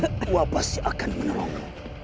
aku pasti akan menolongmu